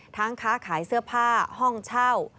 ค้าขายเสื้อผ้าห้องเช่า